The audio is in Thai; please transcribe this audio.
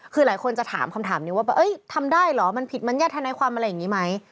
คือหลายคนจะถามคำถามนี้ว่าทำได้เหรอมันผิดมัญญาติธนายความอะไรอย่างนี้ไหม